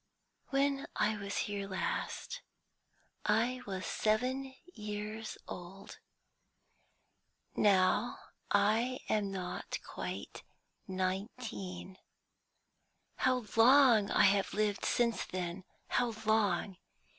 "When I was here last, I was seven years old. Now I am not quite nineteen. How long I have lived since then how long!